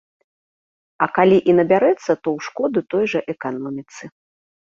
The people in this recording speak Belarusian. А калі і набярэцца, то ў шкоду той жа эканоміцы.